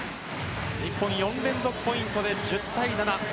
日本４連続ポイントで１０対７。